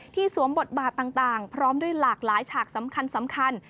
สวมบทบาทต่างพร้อมด้วยหลากหลายฉากสำคัญ